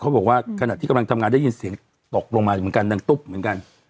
เขาบอกว่าขนาดที่กำลังทำงานได้ยินเสียงตกลงมาเหมือนกัน